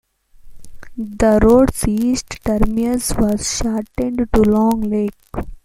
The road's east terminus was shortened to Long Lake.